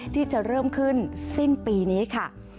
ที่จะเริ่มขึ้นสิ้นปีนี้ค่ะ